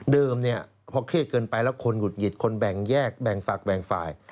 พอเครียดเกินไปแล้วคนหงุดหงิดคนแบ่งแยกแบ่งฝากแบ่งฝ่าย